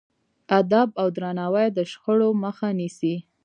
ادب او درناوی د شخړو مخه نیسي.